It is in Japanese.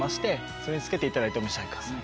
それにつけていただいてお召し上がりください。